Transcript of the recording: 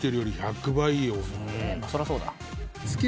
そりゃそうだ。